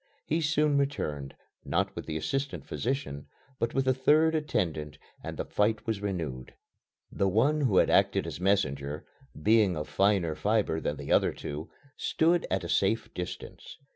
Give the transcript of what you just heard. He soon returned, not with the assistant physician, but with a third attendant, and the fight was renewed. The one who had acted as messenger, being of finer fibre than the other two, stood at a safe distance.